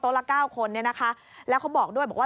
โต๊ะละ๙คนแล้วเขาบอกด้วยว่า